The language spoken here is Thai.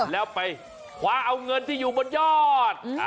แล้วไปคว้าเอาเงินที่อยู่บนยอด